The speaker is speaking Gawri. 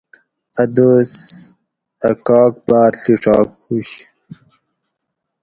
اۤ دوس اۤ کاک باۤر ڷیڄاگ ہوش